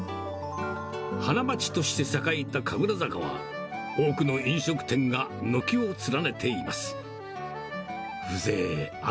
花街として栄えた神楽坂は、多くの飲食店が軒を連ねています。